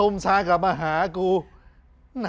อ้อมัฐรนำสินะ